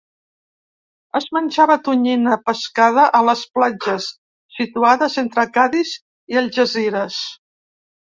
Es menjava tonyina pescada a les platges situades entre Cadis i Algesires.